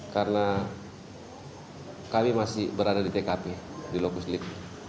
karena kami masih berada di tkp di lokus lip